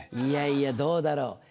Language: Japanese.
いやいやどうだろう？